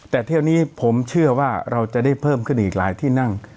แต่เที่ยวนี้ผมเชื่อว่าเราจะได้เพิ่มขึ้นอีกหลายที่นั่ง